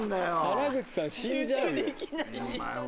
原口さん死んじゃうよ